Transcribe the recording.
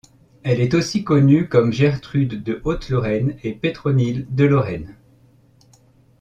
Elle est aussi connue comme Gertrude de Haute-Lorraine et Pétronille de Lorraine.